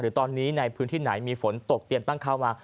ตอนนี้ในพื้นที่ไหนมีฝนตกเตรียมตั้งเข้ามา